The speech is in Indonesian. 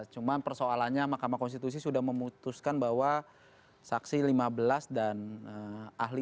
cuma persoalannya mahkamah konstitusi sudah memutuskan bahwa saksi lima belas dan ahli